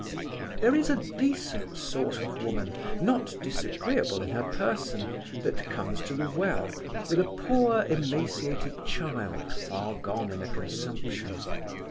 There is a decent sort of woman, not disagreeable in her person, that comes to the Well, with a poor emaciated child, far gone in a consumption.